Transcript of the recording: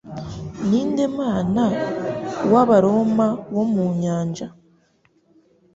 Ninde Mana w'Abaroma wo mu nyanja?